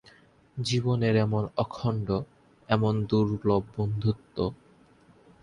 জীবনের এমন অখণ্ড, এমন দুর্লভ বন্ধুত্ব!